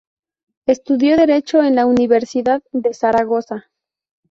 Estudió Derecho en la Universidad de Zaragoza.